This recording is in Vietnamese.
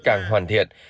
càng hoàn thiện